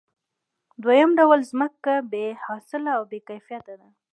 دویم ډول ځمکه بې حاصله او بې کیفیته ده